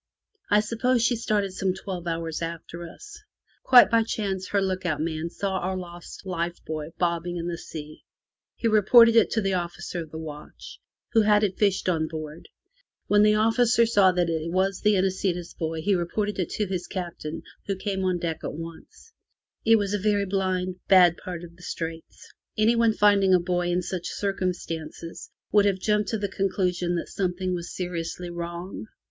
I suppose she started some twelve hours after us. Quite by chance her look out man saw our lost life buoy bobbing in the sea. He reported it to the officer of the watch, who had it fished on board. When the officer saw that it was the Inesita's buoy he reported it to his Captain, who came on deck at once. It had been very blind, squally weather. It was a very blind, bad part of the Straits. Anyone finding a buoy in such circumstances would have jumped to the conclusion that something was seriously wrong.